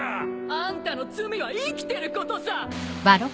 あんたの罪は生きてることさ！